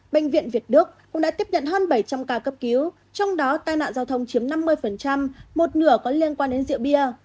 bệnh viện việt đức cũng đã tiếp nhận hơn bảy trăm linh ca cấp cứu trong đó tai nạn giao thông chiếm năm mươi một nửa có liên quan đến rượu bia